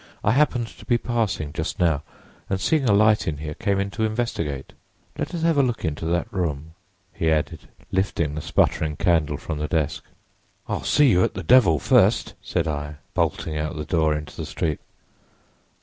I happened to be passing just now, and seeing a light in here came in to investigate. Let us have a look into that room,' he added, lifting the sputtering candle from the desk. "'I'll see you at the devil first!' said I, bolting out of the door into the street.